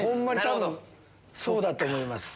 多分そうだと思います。